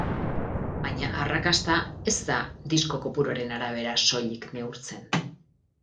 Baina arrakasta ez da disko kopuruaren arabera soilik neurtzen.